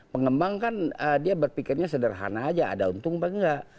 pengembang kan dia berpikirnya sederhana saja ada untung atau tidak